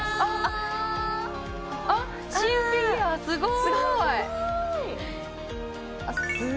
シン・フィギュア、すごい。